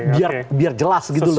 biar jelas gitu loh